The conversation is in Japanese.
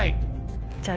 じゃあ。